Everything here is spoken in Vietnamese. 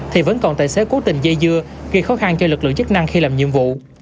thì vẫn còn tài xế cố tình dây dưa gây khó khăn cho lực lượng chức năng khi làm nhiệm vụ